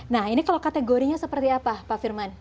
nah ini kalau kategorinya seperti apa pak firman